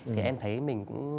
thì em thấy mình